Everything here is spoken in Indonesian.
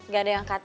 gak ada yang cut